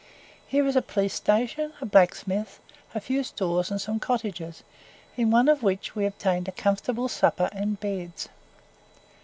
Here is a police station, a blacksmith's, a few stores and some cottages, in one of which we obtained a comfortable supper and beds.